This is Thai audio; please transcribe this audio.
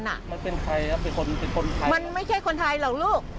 มันเป็นใครครับเป็นคนเป็นคนไทยมันไม่ใช่คนไทยหรอกลูก